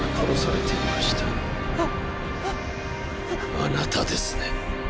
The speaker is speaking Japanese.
あなたですね？